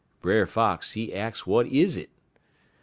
Brer Fox, he ax w'at is it.